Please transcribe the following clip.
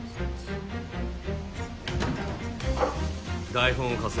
台本を貸せ。